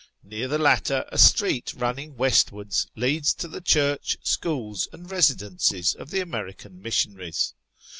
Near the latter, a street running west wards leads to the church, schools, and residences of the American missionaries.